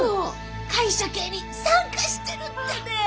会社経営に参加してるってねぇ。